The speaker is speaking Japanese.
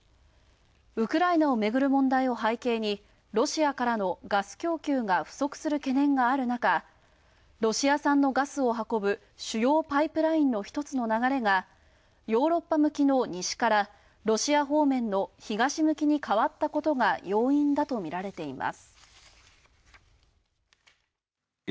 ウクライナをめぐる問題を背景にロシアからのガス供給が不足する懸念があるなか、ロシア産のガスを運ぶ主要パイプラインのひとつの流れが、ヨーロッパ向きの西からロシア方面の東向きに変わったことが要因だとみられます。